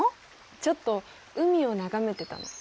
ちょっと海を眺めてたの。